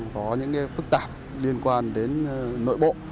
có những phức tạp liên quan đến nội bộ